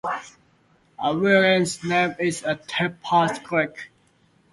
A variant name is "Tippah Creek".